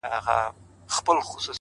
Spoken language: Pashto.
د دغه ښار ښکلي غزلي خیالوري غواړي”